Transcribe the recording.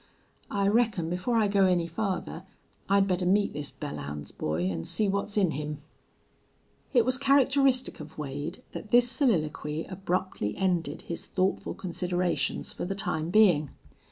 I reckon, before I go any farther, I'd better meet this Belllounds boy an' see what's in him." It was characteristic of Wade that this soliloquy abruptly ended his thoughtful considerations for the time being.